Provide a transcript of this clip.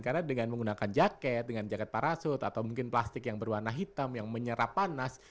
karena dengan menggunakan jaket dengan jaket parasut atau mungkin plastik yang berwarna hitam yang menyerap panas